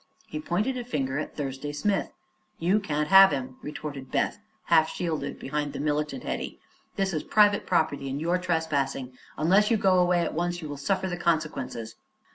He pointed a finger at Thursday Smith. "You can't have him," retorted Beth, half shielded behind the militant Hetty. "This is private property, and you're trespassing. Unless you go away at once you will suffer the consequences."